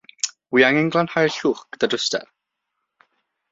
Wi angen glanhau'r llwch gyda dwster.